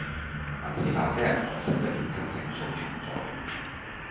還是那些人內心的劣根性早存在